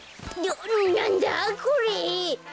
なんだこれ？